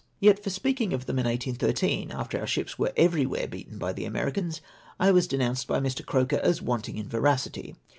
Yet for speaking of them in 1813, after our ships were everywhere beaten by the Americans, I was denounced by Mi\ Croker as wanting in veracity